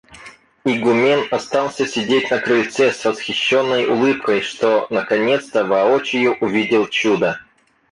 Игумен остался сидеть на крыльце с восхищенной улыбкой, что наконец-то воочию увидел чудо.